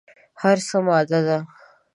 هر څه ماده ده.